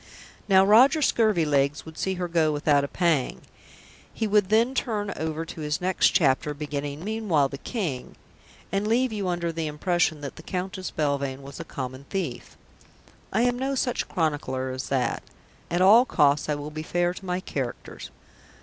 Now Roger Scurvilegs would see her go without a pang; he would then turn over to his next chapter, beginning "Meanwhile the King ," and leave you under the impression that the Countess Belvane was a common thief. I am no such chronicler as that. At all costs I will be fair to my characters.